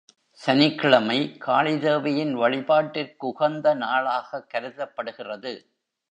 சனிக்கிழமை, காளி தேவியின் வழிபாட்டிற்குகந்த நாளாகக் கருதப்படுகிறது.